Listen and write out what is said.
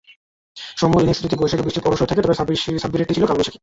সৌম্যর ইনিংসটি যদি বৈশাখী বৃষ্টির পরশ হয়ে আসে, তবে সাব্বিরেরটি ছিল কালবৈশাখী।